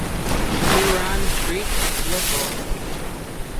Sirouanne Street number four